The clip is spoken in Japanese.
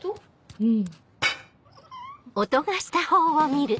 うん。